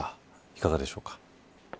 いかがでしょうか。